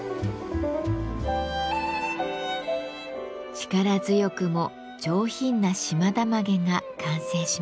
力強くも上品な島田髷が完成しました。